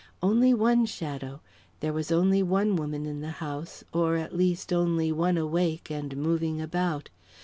Only one shadow there was only one woman in the house, or, at least, only one awake and moving about.